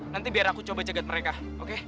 nanti biar aku coba jagat mereka oke